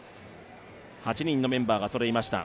８人のメンバーがそろいました。